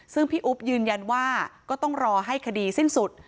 ซึ่งพี่อุ๊บยืนยันว่าก็ต้องรอให้คดีสิ้นสุด